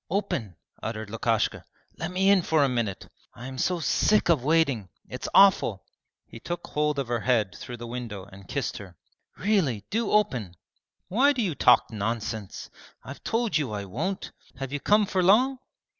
'Open!' uttered Lukashka. 'Let me in for a minute. I am so sick of waiting! It's awful!' He took hold of her head through the window and kissed her. 'Really, do open!' 'Why do you talk nonsense? I've told you I won't! Have you come for long?'